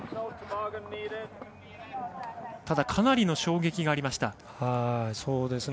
ただ、かなりの衝撃がありました。